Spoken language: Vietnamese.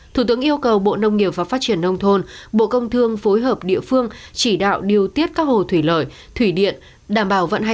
thủ tướng yêu cầu bộ nông nghiệp và phát triển nông thôn bộ công thương phối hợp địa phương chỉ đạo điều tiết các hồ thủy lợi thủy điện